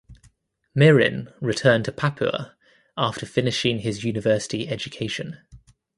Mirin returned to Papua after finishing his university education.